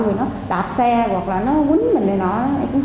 gia đào xe hoặc là nó lại bị phục